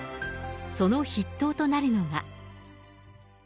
その筆頭となるのが。